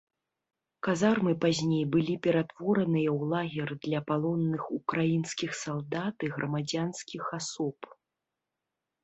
Казармы пазней былі ператвораныя ў лагер для палонных украінскіх салдат і грамадзянскіх асоб.